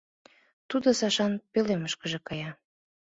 Тудо Сашан пӧлемышкыже кая.